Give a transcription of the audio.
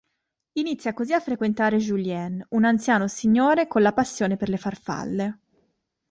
Inizia così a frequentare Julien, un anziano signore con la passione per le farfalle.